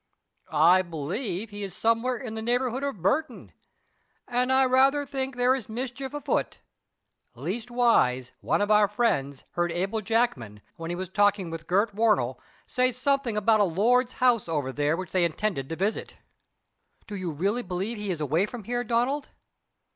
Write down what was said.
"I believe he is somewhere in the neighborhood of Burton, and I rather think there is mischief afoot. Leastwise, one of our friends heard Abel Jackman, when he was talking with Gurt Warnell, say something about a lord's house over there which they intended to visit." "Do you really believe he is away from here, Donald?"